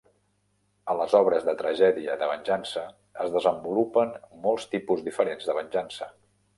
A les obres de tragèdia de venjança, es desenvolupen molts tipus diferents de venjança.